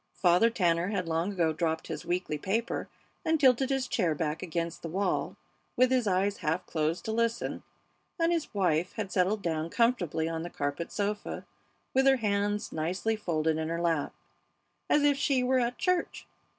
Father Tanner had long ago dropped his weekly paper and tilted his chair back against the wall, with his eyes half closed to listen, and his wife had settled down comfortably on the carpet sofa, with her hands nicely folded in her lap, as if she were at church.